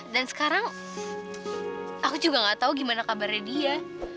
sekarang aku juga gak tau gimana kabarnya dia